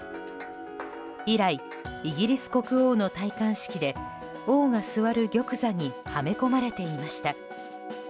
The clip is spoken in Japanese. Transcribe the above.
以来、イギリス国王の戴冠式で王が座る玉座にはめ込まれていました。